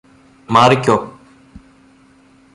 Marico